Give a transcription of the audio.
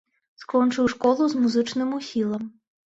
Скончыў школу з музычным ухілам.